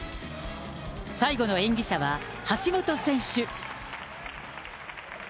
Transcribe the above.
最後の演技者は、橋本選手。